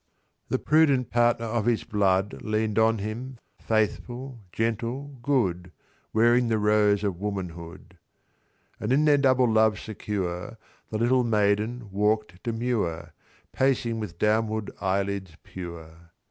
The prudent partner of his blood Lean'd on him, faithful, gentle, good, Wearing the rose of womanhood. And in their double love secure, The little maiden walk'd demure, Pacing with downward eyelids pure.